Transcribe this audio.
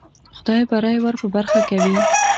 خدای بری ور په برخه کوي.